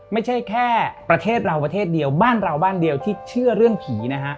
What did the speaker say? ไม่ใช่แค่ประเทศเราประเทศเดียวบ้านเราบ้านเดียวที่เชื่อเรื่องผีนะฮะ